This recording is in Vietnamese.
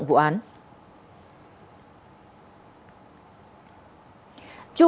chú quang sáng quê hải dương